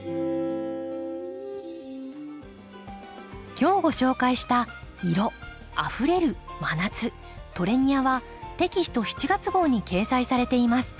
今日ご紹介した「色・あふれる・真夏トレニア」はテキスト７月号に掲載されています。